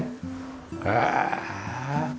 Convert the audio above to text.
へえ！